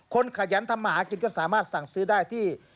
ขยันทำมาหากินก็สามารถสั่งซื้อได้ที่